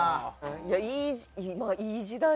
いやいいいい時代。